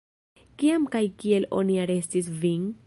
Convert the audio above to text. Kiam kaj kiel oni arestis vin?